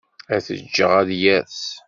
Ad t-ǧǧeɣ ad yers.